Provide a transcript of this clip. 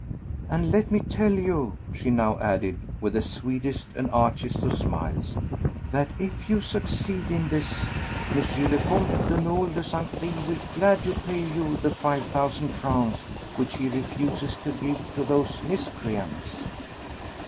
"And let me tell you," she now added, with the sweetest and archest of smiles, "that if you succeed in this, M. le Comte de Nolé de St. Pris will gladly pay you the five thousand francs which he refuses to give to those miscreants."